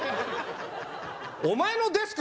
お前のデスク